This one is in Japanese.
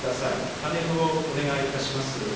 パネルをお願いいたします。